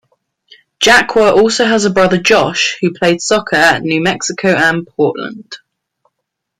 Jaqua also has a brother Josh who played soccer at New Mexico and Portland.